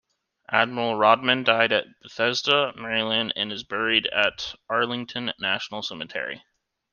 Admiral Rodman died at Bethesda, Maryland and is buried at Arlington National Cemetery.